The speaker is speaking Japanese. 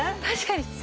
確かに。